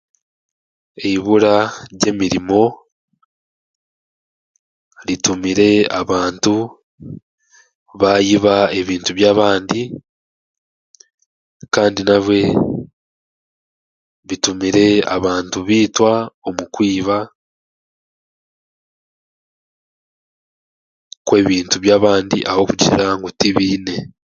Eibura ry'emirimo ritumire abantu baayiba ebintu by'abandi kandi nabwe, ritumire abantu baitwa omu kwiba kwebintu by'abandi ahabwokugira ngu tibaine.